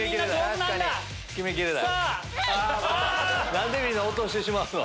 何でみんな落としてしまうの？